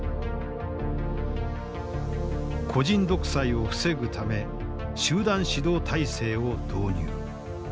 個人独裁を防ぐため集団指導体制を導入。